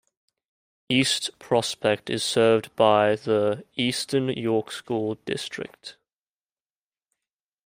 East Prospect is served by the Eastern York School District.